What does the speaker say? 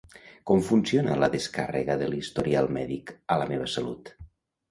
Com funciona la descàrrega de l'historial mèdic a La meva Salut?